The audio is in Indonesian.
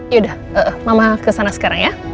yaudah mama kesana sekarang ya